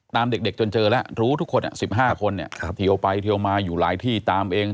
ตามเด็กจนเจอแล้วรู้ทุกคน๑๕คนเทียวไปเทียวมาอยู่หลายที่ตามเอง